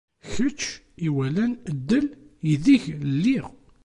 Kečč iwalan ddel ideg lliɣ.